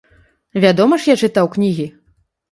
Вядома ж, я чытаў кнігі!